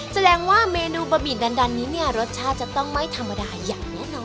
แสดงว่าเมนูบะหมี่ดันนี้เนี่ยรสชาติจะต้องไม่ธรรมดาอย่างแน่นอน